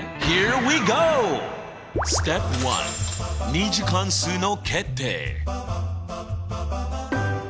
２次関数の決定？